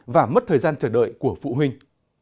và mất thời gian chờ đợi của phụ huynh